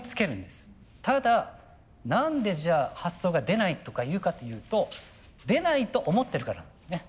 ただ何でじゃあ発想が出ないとかいうかというと出ないと思ってるからなんですね。